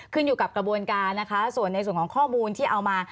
ขึ้นอยู่กับกระบวนการนะคะส่วนในส่วนของข้อมูลที่เอามา